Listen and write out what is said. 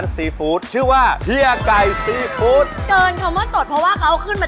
สวัสดีค่ะส่วนมา